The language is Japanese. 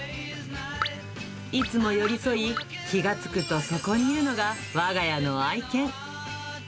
いつも寄り添い、気がつくと、そこにいるのがわが家の愛犬。